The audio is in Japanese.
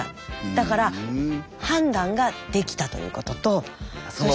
だから判断ができたということと。